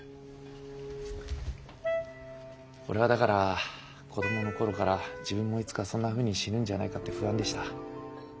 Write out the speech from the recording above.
俺はだから子供の頃から自分もいつかそんなふうに死ぬんじゃないかって不安でした。